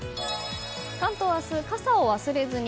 関東は明日、傘を忘れずに。